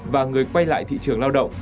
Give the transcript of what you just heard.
và người quay lại thị trường lao động